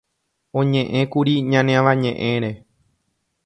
oñe'ẽkuri ñane Avañe'ẽre